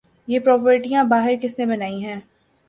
یہ پراپرٹیاں باہر کس نے بنائی ہیں؟